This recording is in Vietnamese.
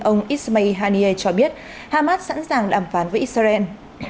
ông ismail haniyeh cho biết hamas sẵn sàng đàm phán với israel